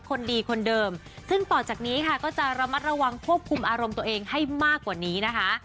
คนดีคนเดิมซึ่งต่อจากนี้ค่ะก็จะระมัดระวังควบคุมอารมณ์ตัวเองให้มากกว่านี้นะคะ